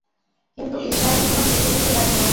কিন্তু ইসরায়েল কোনো ঝুঁকি নিতে রাজি নয়।